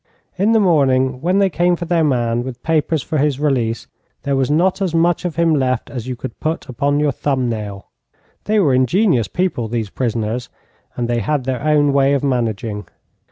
In the morning, when they came for their man with papers for his release, there was not as much of him left as you could put upon your thumb nail. They were ingenious people, these prisoners, and they had their own way of managing.